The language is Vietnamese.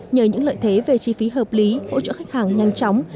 nhờ những lợi thế về chi phí hợp lý hỗ trợ khách hàng nhanh chóng